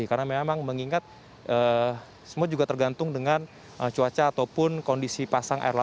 karena memang mengingat semua juga tergantung dengan cuaca ataupun kondisi air pasang